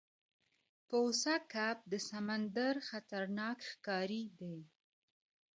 کوسه کب د سمندر خطرناک ښکاری دی